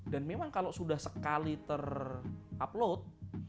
dan memang kalau sudah sekali ter upload